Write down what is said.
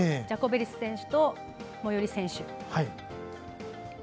ジャコベリス選手とモイオーリ選手。